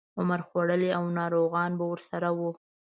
عمر خوړلي او ناروغان به ورسره وو.